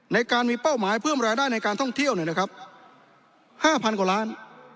ในการมีเป้าหมายเพิ่มรายได้ในการท่องเที่ยว๕๐๐กว่าล้าน